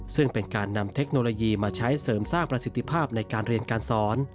ซึ่งเป็นการนำเทคโนโลยีมาใช้เสริมสร้างประสิทธิภาพในการเรียนการสอน